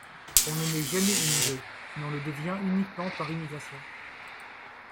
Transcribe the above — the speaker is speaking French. On ne naît jamais immigré, mais on le devient uniquement par immigration.